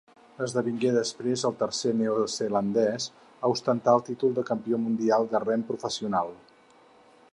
Esdevingué després el tercer neozelandès a ostentar el títol de campió mundial de rem professional.